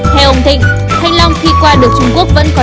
theo ông thịnh thanh long khi qua được trung quốc vẫn có